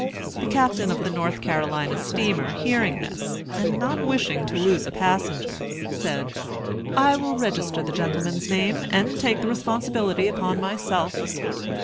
The captain of the North Carolina steamer hearing this, and not wishing to lose a passenger, said, "I will register the gentleman's name, and take the responsibility upon myself."